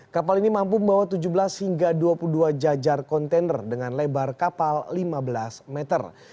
kapal ini mampu membawa tujuh belas hingga dua puluh dua jajar kontainer dengan lebar kapal lima belas meter